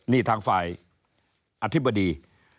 นี่ทางฝ่ายอธิบดี